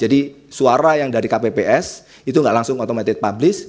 jadi suara yang dari kpps itu nggak langsung otomatis publish